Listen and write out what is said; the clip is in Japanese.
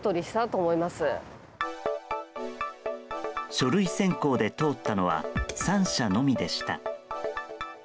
書類選考で通ったのは３社のみでした。